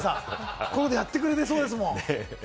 こういうことやってくれそうですもん。